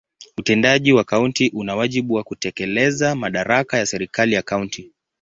Utendaji wa kaunti una wajibu wa kutekeleza madaraka ya serikali ya kaunti.